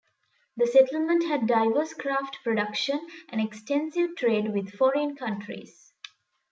The settlement had diverse craft production and extensive trade with foreign countries.